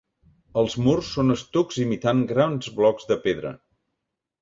Els murs són estucs imitant grans blocs de pedra.